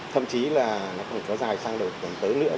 thậm chí là nó không có dài sang đợt tầm tới nữa